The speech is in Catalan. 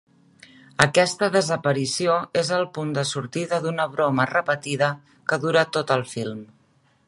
Aquesta desaparició és el punt de sortida d'una broma repetida que dura tot el film.